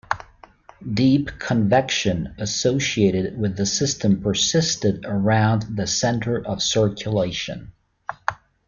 Deep convection associated with the system persisted around the center of circulation.